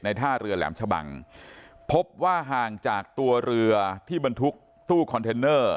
ท่าเรือแหลมชะบังพบว่าห่างจากตัวเรือที่บรรทุกตู้คอนเทนเนอร์